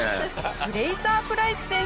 フレーザープライス選手